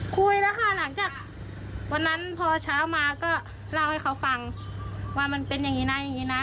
คุยแล้วค่ะหลังจากวันนั้นพอเช้ามาก็เล่าให้เขาฟังว่ามันเป็นอย่างนี้นะอย่างนี้นะ